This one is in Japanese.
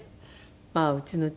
まあうちの父。